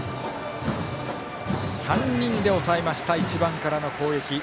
３人で抑えました１番からの攻撃。